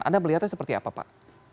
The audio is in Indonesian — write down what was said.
anda melihatnya seperti apa pak